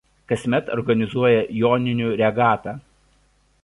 Kasmet organizuoja „Joninių regatą“.